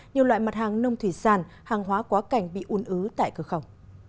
nhiều loại mặt hàng nông thủy sản hàng hóa quá cảnh bị un ứ tại cửa khẩu